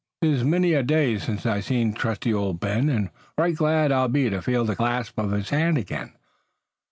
"It's many a day since I've seen trusty old Ben, and right glad I'll be to feel the clasp of his hand again."